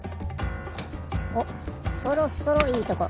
おそろそろいいとこ。